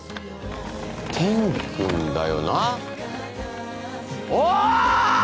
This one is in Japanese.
天くんだよな？おい！